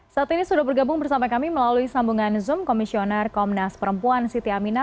saat ini sudah bergabung bersama kami melalui sambungan zoom komisioner komnas perempuan siti aminah